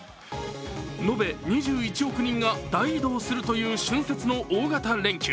延べ２１億人が大移動するという春節の大型連休。